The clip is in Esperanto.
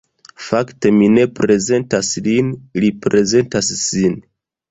Fakte, mi ne prezentas lin, li prezentas sin.